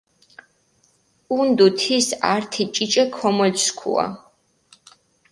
ჸუნდჷ თის ართი ჭიჭე ქომოლისქუა.